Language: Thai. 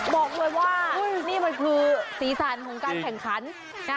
บอกเลยว่านี่มันคือสีสันของการแข่งขันนะ